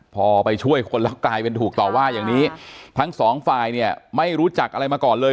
พอไปช่วยคนแล้วกลายเป็นถูกต่อว่าอย่างนี้ทั้งสองฝ่ายเนี่ยไม่รู้จักอะไรมาก่อนเลย